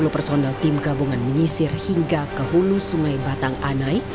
lima puluh personel tim gabungan menyisir hingga ke hulu sungai batang anai